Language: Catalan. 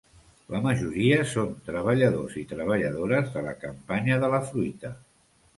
La majoria són treballadors i treballadores de la campanya de la fruita.